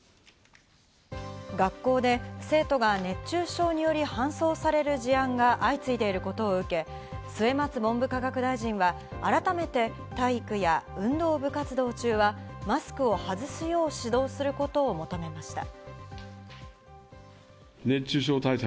学校で生徒が熱中症により搬送される事案が相次いでいることを受け、末松文部科学大臣は改めて体育や運動部活動中はマスクを外すよう指導することを求めました。